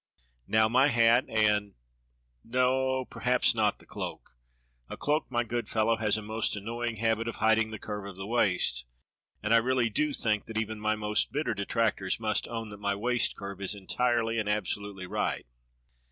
Now my hat and — no, perhaps not the cloak. A cloak, my good fellow, has a most annoying habit of hiding the curve of the w^aist. And I really do think that even my most bitter detractors must own that my waist curve is entirely and absolutely right.